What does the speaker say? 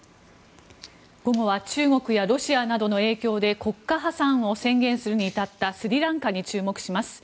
午後は中国やロシアなどの影響で国家破産を宣言するに至ったスリランカに注目します。